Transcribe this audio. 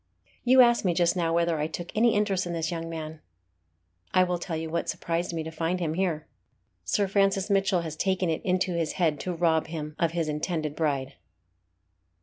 You asked me just now whether I took any interest in this young man. I will tell you what surprised me to find him here. Sir Francis Mitchell has taken it into his head to rob him of his intended bride."